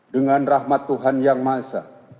dengan rahmat tuhan yang mahasiswa